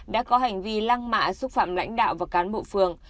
đã có hành vi lăng mạ xúc phạm lãnh đạo và cán bộ phường